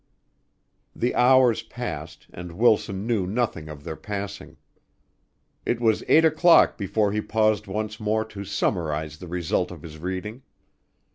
The hours passed and Wilson knew nothing of their passing. It was eight o'clock before he paused once more to summarize the result of his reading.